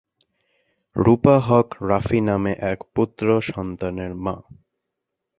রূপা হক রাফি নামে এক পুত্র সন্তানের মা।